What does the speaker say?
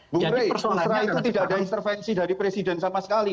bung rey justru tidak ada intervensi dari presiden sama sekali